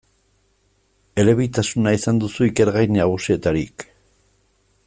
Elebitasuna izan duzu ikergai nagusietarik.